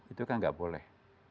itu kan tidak boleh